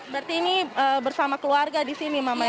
berarti ini bersama keluarga di sini mama ya